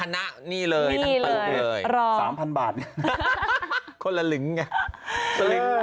นี่นะครับ